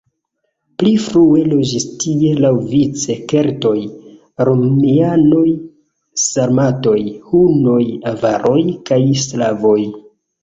Pli frue loĝis tie laŭvice keltoj, romianoj, sarmatoj, hunoj, avaroj kaj slavoj.